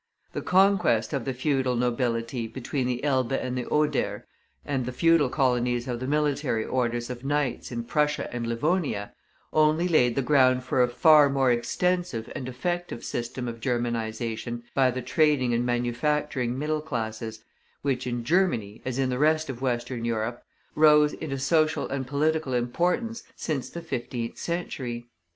The conquest of the feudal nobility between the Elbe and the Oder, and the feudal colonies of the military orders of knights in Prussia and Livonia, only laid the ground for a far more extensive and effective system of Germanization by the trading and manufacturing middle classes, which in Germany, as in the rest of Western Europe, rose into social and political importance since the fifteenth century.